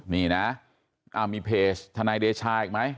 นี่นะมีเพจทนายเดชาอีกไหม